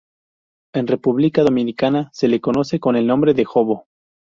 En República Dominicana se le conoce con el nombre de jobo.